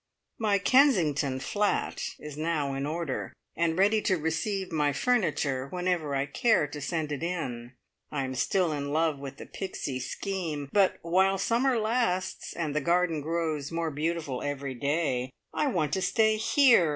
My "Kensington" flat is now in order, and ready to receive my furniture whenever I care to send it in. I am still in love with the Pixie scheme; but, while summer lasts, and the garden grows more beautiful every day, I want to stay here!